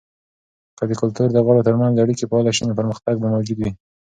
که د کلتور د غړو ترمنځ اړیکې فعاله سي، نو پرمختګ به موجود وي.